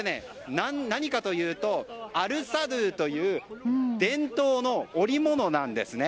何かというとアルサドゥという伝統の織物なんですね。